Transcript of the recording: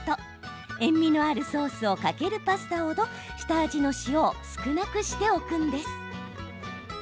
塩みのあるソースをかけるパスタ程、下味の塩を少なくしておくんです。